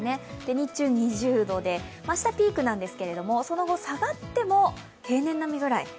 日中２０度で、明日ピークなんですけども、その後下がっても平年並みくらい。